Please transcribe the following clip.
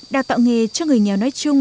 đào tạo nghề cho người nghèo nói chung